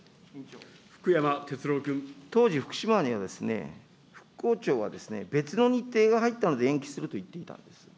当時、福島には復興庁が別の日程が入ったので延期すると言っていたんです。